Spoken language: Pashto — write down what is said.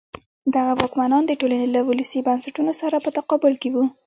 دغه واکمنان د ټولنې له ولسي بنسټونو سره په تقابل کې وو.